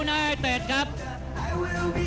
ท่านแรกครับจันทรุ่ม